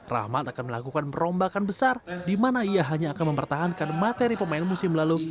rahmat akan melakukan perombakan besar di mana ia hanya akan mempertahankan materi pemain musim lalu